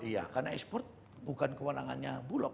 iya karena ekspor bukan kewenangannya bulog